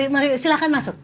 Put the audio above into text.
mari silakan masuk